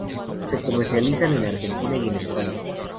Se comercializan en Argentina y en España.